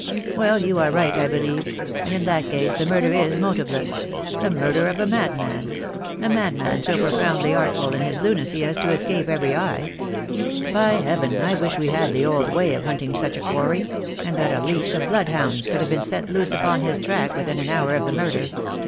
"Well, you are right, I believe — and in that case the THE DAY WILL COME. 2C>5 murder is motiveless — the murder of a madman — a mad man so profoundly artful in his lunacy as to escape every eye. By heaven, I wish we had the old way of hunting such a quarry — and that a leash of bloodhounds could have been set loose upon his track within an hour of the murder.